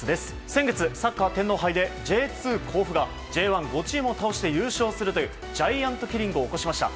先月、サッカー天皇杯でＪ２甲府がＪ１、５チームを倒して優勝するというジャイアントキリングを起こしました。